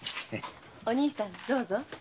お兄さんどうぞ。